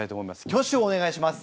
挙手をお願いします。